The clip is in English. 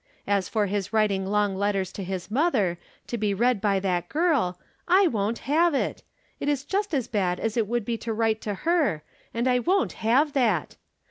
As for his writing long letters to his mother, to be read loj that girl, I won't have it ! It is just as bad as it would be to write to her, and I won't have that